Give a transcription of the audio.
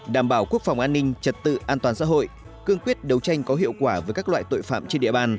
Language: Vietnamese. đảm bảo quốc phòng an ninh trật tự an toàn xã hội cương quyết đấu tranh có hiệu quả với các loại tội phạm trên địa bàn